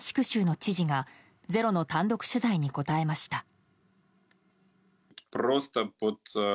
州の知事が「ｚｅｒｏ」の単独取材に答えました。